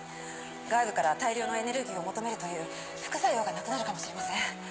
外部から大量のエネルギーを求めるという副作用がなくなるかもしれません。